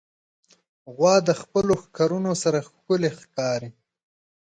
غوا د خپلو ښکرونو سره ښکلي ښکاري.